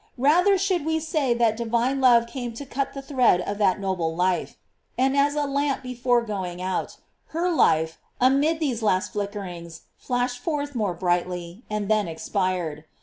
Rather should we say that divine love came to cut the thread of that noble life. And as a lamp before going out, her life, amid these last flickerings, flashed forth more brightly, and then expired.